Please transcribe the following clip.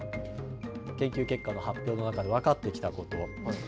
研究結果の発表の中で分かってきたこと。